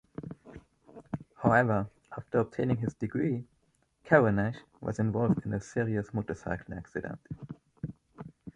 However, after obtaining his degree, Karunesh was involved in a serious motorcycle accident.